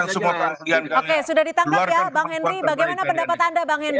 bung henry bagaimana pendapat anda